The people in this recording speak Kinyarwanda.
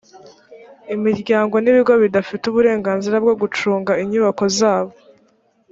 imiryango n ibigo bidafite uburenganzira bwo gucunga inyubako zabo